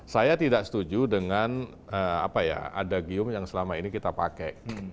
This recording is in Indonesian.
saya tidak setuju dengan apa ya ada gym yang selama ini kita pakai